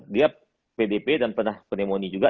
dia pdp dan pernah pneumonia juga